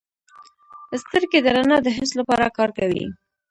سترګې د رڼا د حس لپاره کار کوي.